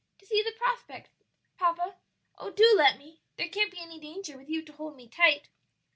"To see the prospect, papa; oh, do let me! there can't be any danger with you to hold me tight."